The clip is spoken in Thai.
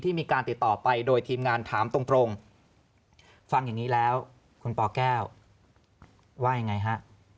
มีการติดต่อไปโดยทีมงานถามตรงฟังอย่างนี้แล้วคุณปแก้วว่ายังไงฮะ